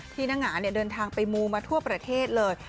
นางหงาเดินทางไปมูมาทั่วประเทศเลย